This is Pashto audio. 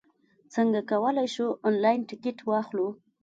څنګه کولای شو، انلاین ټکټ واخلو؟